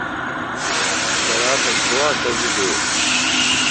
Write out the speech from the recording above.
درا تہ گوا ڈزی بین؟